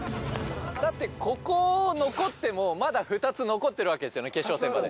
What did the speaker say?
だってここを残ってもまだ２つ残ってるわけですよね決勝戦まで。